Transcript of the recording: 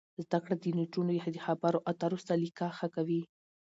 زده کړه د نجونو د خبرو اترو سلیقه ښه کوي.